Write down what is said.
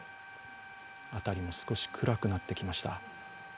辺りも少し暗くなってきました。